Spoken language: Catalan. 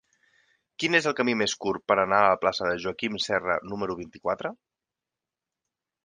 Quin és el camí més curt per anar a la plaça de Joaquim Serra número vint-i-quatre?